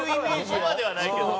そこまではないけど。